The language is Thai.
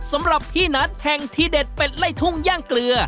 สำหรับพี่นัทแห่งที่เด็ดเป็ดไล่ทุ่งย่างเกลือ